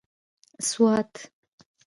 سوات